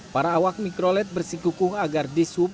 para awak mikrolet bersikuku agar dishub